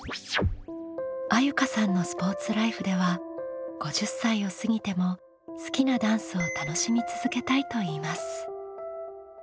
あゆかさんのスポーツライフでは５０歳を過ぎても好きなダンスを楽しみ続けたいといいます。